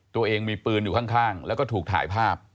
ตัวเองมีปืนอยู่ข้างแล้วก็ถูกถ่ายภาพ